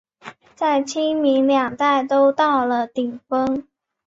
在清民两代都到了顶峰。